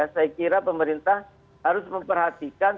saya kira pemerintah harus memperhatikan